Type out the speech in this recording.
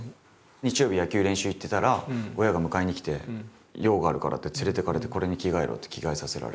日曜日野球練習行ってたら親が迎えにきて用があるからって連れていかれてこれに着替えろって着替えさせられて。